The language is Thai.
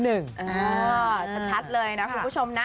ชัดเลยนะคุณผู้ชมนะ